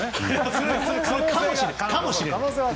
するかもしれない。